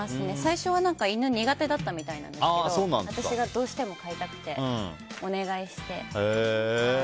最初は犬苦手だったみたいなんですけど私がどうしても飼いたくてお願いして。